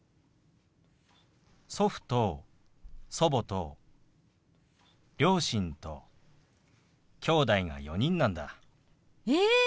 祖父と祖母と両親ときょうだいが４人なんだ。え！